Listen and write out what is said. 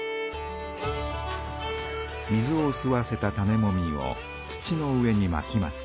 水をすわせた種もみを土の上にまきます。